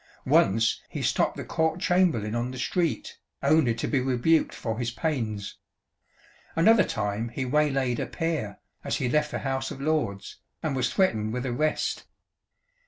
Once he stopped the Court Chamberlain on the street, only to be rebuked for his pains. Another time he waylaid a peer, as he left the House of Lords, and was threatened with arrest.